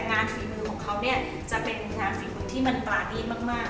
งานฝีมือของเขาเนี่ยจะเป็นงานฝีมือที่มันปาร์ตี้มาก